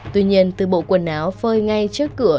tuy nhiên từ bộ quần áo phơi ngay trước cửa